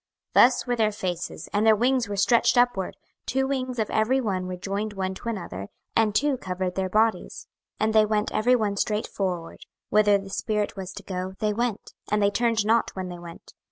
26:001:011 Thus were their faces: and their wings were stretched upward; two wings of every one were joined one to another, and two covered their bodies. 26:001:012 And they went every one straight forward: whither the spirit was to go, they went; and they turned not when they went.